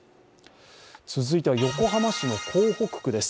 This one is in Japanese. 続いては横浜市の港北区です。